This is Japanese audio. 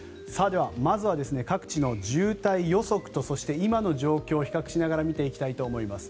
ではまずは各地の渋滞予測とそして今の状況を比較しながら見ていきたいと思います。